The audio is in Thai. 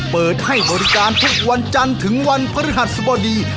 เปิดให้บริการทุกวันจันทร์ถึงวันพฤหัสสบดี